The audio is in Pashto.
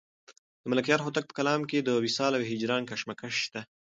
د ملکیار هوتک په کلام کې د وصال او هجران کشمکش شته.